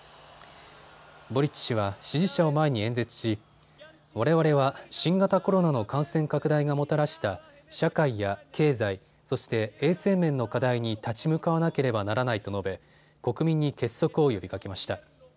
ボリッチ氏は支持者を前に演説しわれわれは新型コロナの感染拡大がもたらした社会や経済、そして衛生面の課題に立ち向かわなければならないと述べ国民に結束を呼びかけました。